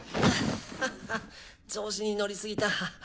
ハハ調子に乗りすぎた。